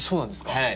はい。